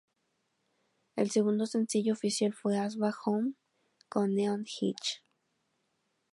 El segundo sencillo oficial fue "Ass Back Home" con Neon Hitch.